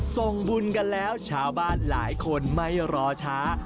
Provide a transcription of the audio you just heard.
ส่งบุญกันแล้วชาวบ้านหลายคนไม่รอช้า